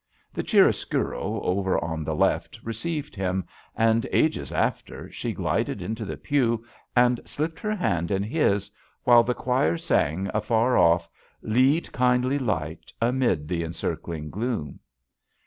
The chiaroscuro over on the left received him, and ages after, she glided into the pew and slipped her hand in his, while the choir sang, afar off, "Lead, kindly Light, amid the encircling gloom."